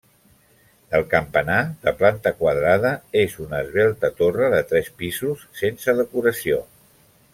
El campanar, de planta quadrada, és una esvelta torre de tres pisos, sense decoració.